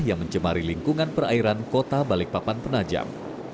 yang mencemari lingkungan perairan kota balikpapan penajam